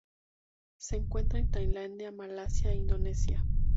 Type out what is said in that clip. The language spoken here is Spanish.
Se encuentra en Tailandia Malasia e Indonesia.